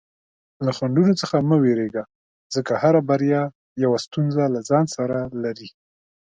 له خنډونو څخه مه ویریږه، ځکه هره بریا یوه ستونزه له ځان سره لري.